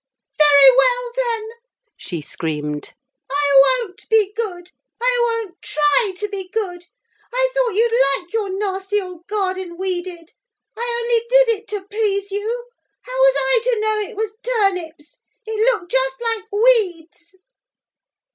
'Very well, then,' she screamed, 'I won't be good; I won't try to be good. I thought you'd like your nasty old garden weeded. I only did it to please you. How was I to know it was turnips? It looked just like weeds.'